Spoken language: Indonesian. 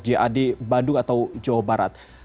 jad bandung atau jawa barat